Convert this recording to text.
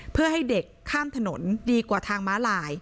เพื่อให้เด็กข้ามถนนดีกว่าทางม้าลาย